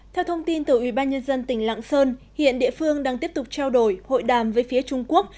theo thông tin từ ubnd tỉnh lạng sơn hiện địa phương đang tiếp tục trao đổi hội đàm với phía trung quốc